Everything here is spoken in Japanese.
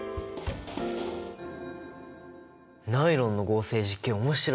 ナイロンの合成実験面白い！